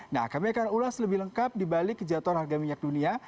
nah kami akan ulas lebih lengkap dibalik kejatuhan harga minyak dunia